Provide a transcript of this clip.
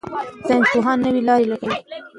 ساینسپوهان نوې لارې لټوي.